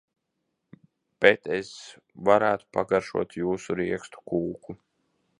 Bet es varētu pagaršotjūsu riekstu kūku.